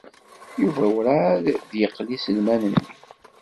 Yuba werɛad d-yeqli iselman-nni.